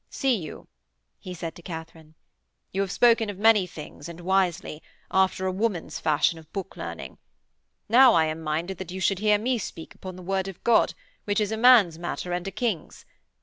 'See you,' he said to Katharine. 'You have spoken of many things and wisely, after a woman's fashion of book learning. Now I am minded that you should hear me speak upon the Word of God which is a man's matter and a King's.